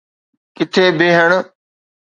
ڪٿي بيهڻ.